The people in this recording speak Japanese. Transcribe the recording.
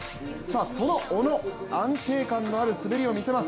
その小野、安定感のある滑りを見せます。